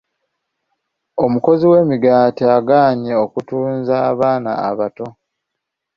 Omukozi w'emigaati agaanye okutunza abaana abato.